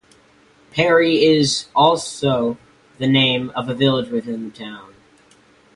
Perry is also the name of a village within the town.